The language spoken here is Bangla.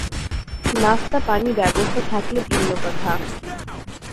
নাস্তা-পানি ব্যবস্থা থাকলে ভিন্ন কথা।